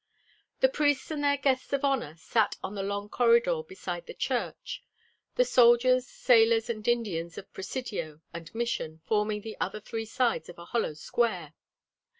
The priests and their guests of honor sat on the long corridor beside the church; the soldiers, sailors, and Indians of Presidio and Mission forming the other three sides of a hollow square.